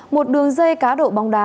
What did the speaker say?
một đường dây cá độ bóng đá